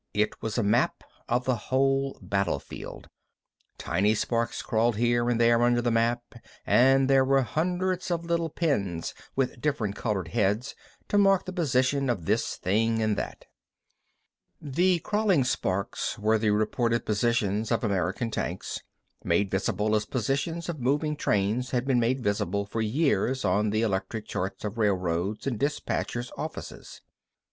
It was a map of the whole battlefield. Tiny sparks crawled here and there under the map, and there were hundreds of little pins with different colored heads to mark the position of this thing and that. The crawling sparks were the reported positions of American tanks, made visible as positions of moving trains had been made visible for years on the electric charts of railroads in dispatcher's offices.